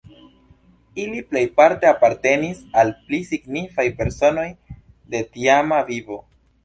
Ili plejparte apartenis al pli signifaj personoj de tiama vivo.